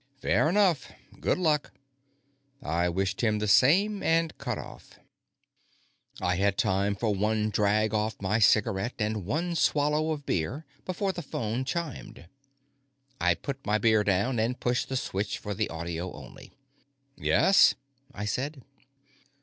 "Fair enough. Good luck." I wished him the same, and cut off. I had time for one drag off my cigarette and one swallow of beer before the phone chimed. I put my beer down and pushed the switch for the audio only. "Yes?" I said.